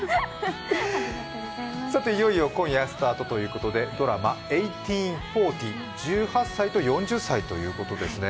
さていよいよ今夜スタートということでドラマ「１８／４０」、１８歳と４０歳ということですね。